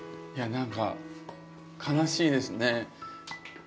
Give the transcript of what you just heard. いや何か悲しいですね。